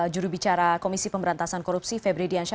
juru bicara komisi pemberantasan korupsi febri diansyah